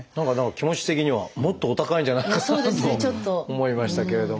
気持ち的にはもっとお高いんじゃないかなと思いましたけれども。